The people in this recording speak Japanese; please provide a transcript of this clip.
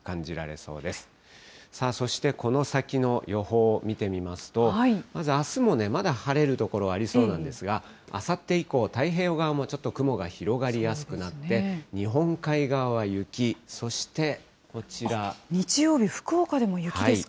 そして、この先の予報を見てみますと、まずあすも、まだ晴れる所ありそうなんですが、あさって以降、太平洋側もちょっと雲が広がりやすくなって、日本海側は雪、日曜日、福岡でも雪ですか。